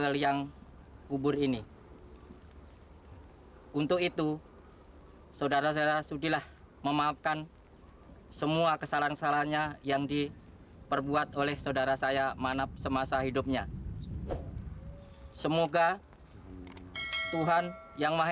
sampai jumpa di video selanjutnya